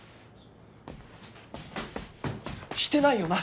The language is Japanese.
してないよな？